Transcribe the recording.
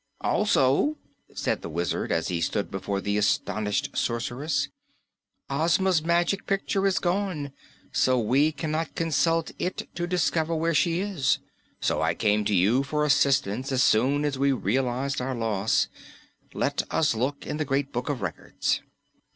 "Also," said the Wizard as he stood before the astonished Sorceress, "Ozma's Magic Picture is gone, so we cannot consult it to discover where she is. So I came to you for assistance as soon as we realized our loss. Let us look in the Great Book of Records."